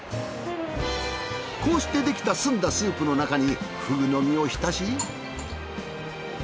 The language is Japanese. こうしてできた澄んだスープの中にふぐの身を浸し。